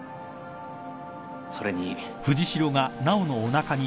それに